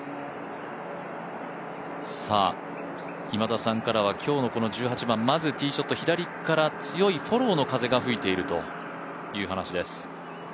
今田さんからは、今日のこの１８番、まずティーショット左から強いフォローの風が吹いているという話です。